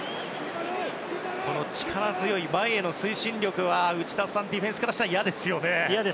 力強い前への推進力は、内田さんディフェンスからしたら嫌ですね。